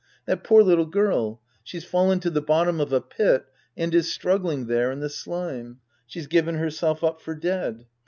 That poor little girl ! She's fallen to the bottom of a pit and is struggling there in the slime. She's given herself up for dead.